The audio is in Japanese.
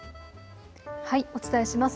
お伝えします。